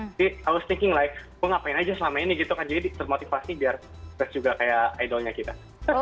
jadi i was thinking like gue ngapain aja selama ini gitu kan jadi termotivasi biar terus juga kayak idolnya kita